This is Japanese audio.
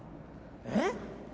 えっ？